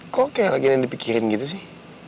kok kayak lagi ada yang dipikirin gitu sih